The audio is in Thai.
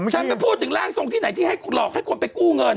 ไปพูดถึงร่างทรงที่ไหนที่ให้หลอกให้คนไปกู้เงิน